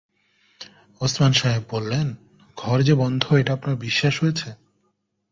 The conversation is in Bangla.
ওসমান সাহেব বললেন, ঘর যে বন্ধ, এটা আপনার বিশ্বাস হয়েছে?